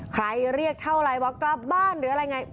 เรียกเท่าไรว่ากลับบ้านหรืออะไรไง